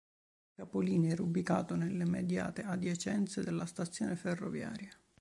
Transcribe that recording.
Il capolinea era ubicato nelle immediate adiacenze della stazione ferroviaria.